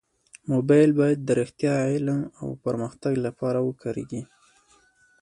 موبایل باید د رښتیا، علم او پرمختګ لپاره وکارېږي.